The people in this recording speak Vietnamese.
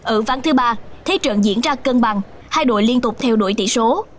ở ván thứ ba thế trận diễn ra cân bằng hai đội liên tục theo đuổi tỷ số